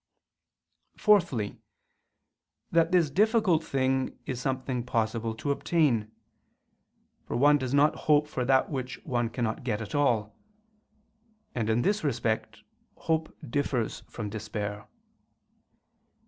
Fourthly, that this difficult thing is something possible to obtain: for one does not hope for that which one cannot get at all: and, in this respect, hope differs from despair.